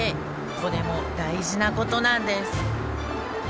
これも大事なことなんです